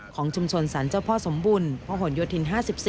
ของชุมชนสรรเจ้าพ่อสมบุญพระหลโยธิน๕๔